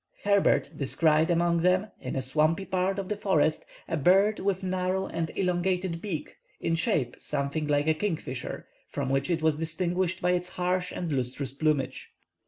Herbert descried among them, in a swampy part of the forest, a bird with narrow and elongated beak, in shape something like a kingfisher, from which it was distinguished by its harsh and lustrous plumage.